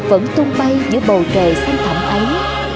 vẫn tung bay giữa bầu kề sáng thẳm ấy